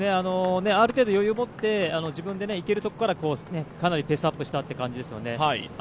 ある程度、余裕持って自分で行けるところからペースアップしたというところですね。